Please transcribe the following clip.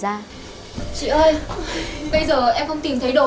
chị ơi bây giờ em không tìm thấy tên của chị